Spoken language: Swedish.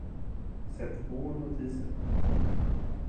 Sätt på notiserna.